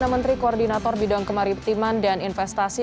menteri koordinator bidang kemaritiman dan investasi